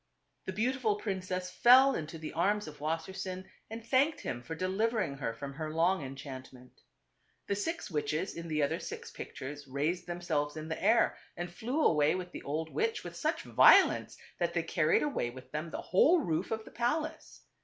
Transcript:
The beautiful princess fell into the arms of Wassersein and thanked him for delivering her from her long enchantment. The six witches in the other six pictures raised themselves in the air and flew away with the old witch with such violence that they carried away with them the whole roof of the palace.